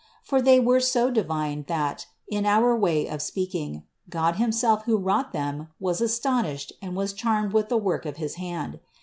For they were so divine, that, in our way of speak ing, God himself who wrought them, was astonished and was charmed with the work of his hand.